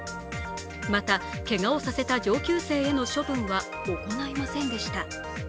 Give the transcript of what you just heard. また、けがをさせた上級生への処分は行いませんでした。